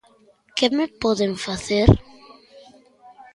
Que me poden facer?